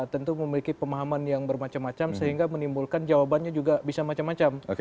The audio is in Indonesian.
tentu memiliki pemahaman yang bermacam macam sehingga menimbulkan jawabannya juga bisa macam macam